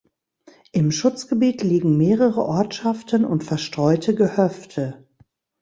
Im Schutzgebiet liegen mehrere Ortschaften und verstreute Gehöfte.